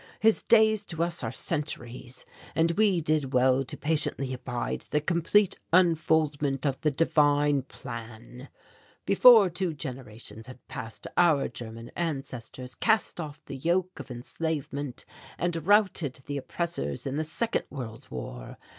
His days to us are centuries. And we did well to patiently abide the complete unfoldment of the Divine plan. "Before two generations had passed our German ancestors cast off the yoke of enslavement and routed the oppressors in the Second World War.